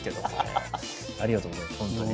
ありがとうございました本当に。